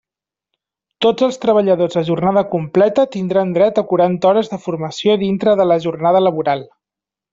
Tots els treballadors a jornada completa tindran dret a quaranta hores de formació dintre de la jornada laboral.